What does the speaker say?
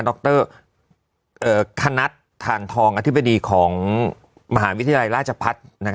ดรคนัทธานทองอธิบดีของมหาวิทยาลัยราชพัฒน์